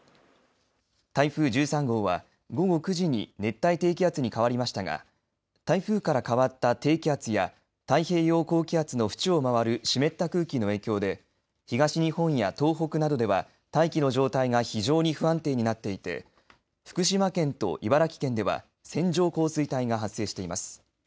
台風１３号は午後９時に熱帯低気圧に変わりましたが台風から変わった低気圧や太平洋高気圧の縁を回る湿った空気の影響で東日本や東北などでは大気の状態が非常に不安定になっていて福島県と茨城県では線状降水帯が発生しています。